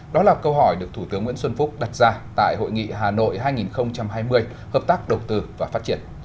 đó là câu hỏi được thủ tướng nguyễn xuân phúc đặt ra tại hội nghị hà nội hai nghìn hai mươi hợp tác đầu tư và phát triển